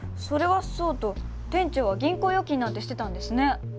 それはそうと店長は銀行預金なんてしてたんですね。